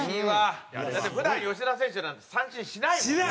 だって普段吉田選手なんて三振しないもん。